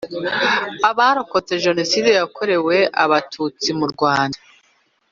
abarokotse Jenoside yakorewe Abatutsi murwanda